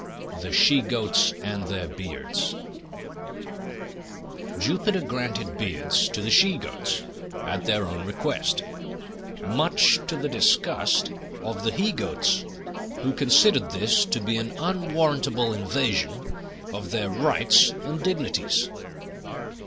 THE SHE GOATS AND THEIR BEARDS Jupiter granted beards to the She Goats at their own request, much to the disgust of the he Goats, who considered this to be an unwarrantable invasion of their rights and dignities.